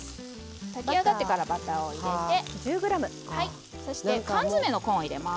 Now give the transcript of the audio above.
炊き上がってからバターを入れてそして缶詰のコーンを入れます。